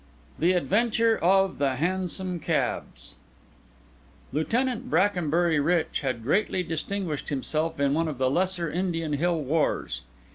THE ADVENTURE OF THE HANSOM CABS Lieutenant Brackenbury Rich had greatly distinguished himself in one of the lesser Indian hill wars.